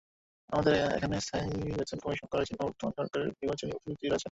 আমাদের এখানে স্থায়ী বেতন কমিশন করার জন্য বর্তমান সরকারের নির্বাচনী প্রতিশ্রুতি রয়েছে।